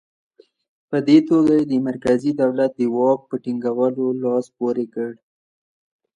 په دې توګه یې د مرکزي دولت د واک په ټینګولو لاس پورې کړ.